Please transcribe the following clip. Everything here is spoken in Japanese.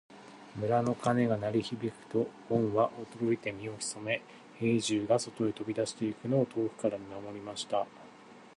村の鐘が鳴り響くと、ごんは驚いて身を潜め、兵十が外へ飛び出していくのを遠くから見守りました。